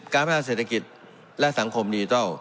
๑๐การพัฒนาเศรษฐกิจและสังคมดียูตัล